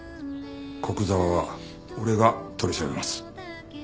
古久沢は俺が取り調べます。